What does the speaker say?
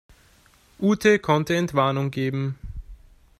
Ute konnte Entwarnung geben.